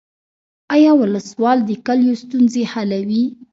آیا ولسوال د کلیو ستونزې حلوي؟